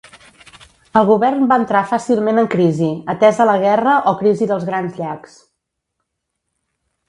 El govern va entrar fàcilment en crisi, atesa la Guerra o crisi dels Grans Llacs.